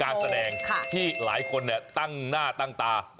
การแสดงที่หลายคนตั้งหน้าตั้งตา